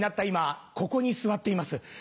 今ここに座っています。